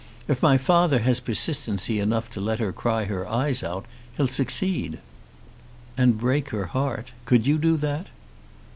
If my father has persistency enough to let her cry her eyes out, he'll succeed." "And break her heart. Could you do that?"